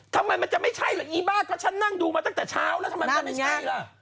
ทำไมมันจะไม่ใช่เหรออีบ้าเพราะฉันนั่งดูมาตั้งแต่เช้าแล้วทำไมมันไม่ใช่ล่ะ